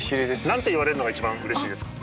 なんて言われるのが一番嬉しいですか？